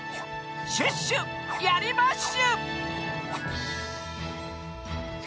「シュッシュやりまッシュ！」